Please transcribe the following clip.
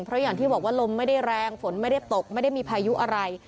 เพราะอย่างที่บอกว่าลมไม่ได้แรงฝนไม่ได้ตกไม่ได้มีพายุอะไร